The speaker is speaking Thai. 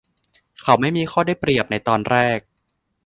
เขาไม่มีข้อได้เปรียบในตอนแรก